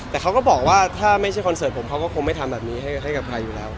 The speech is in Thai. แต่เขาก็บอกว่าถ้าไม่ใช่คอนเสิร์ตผมเขาก็คงไม่ทำแบบนี้ให้กับใครอยู่แล้ว